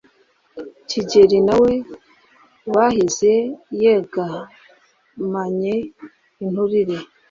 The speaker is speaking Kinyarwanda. Kigeli na we bahize yegamanye inturire